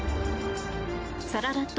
サララット・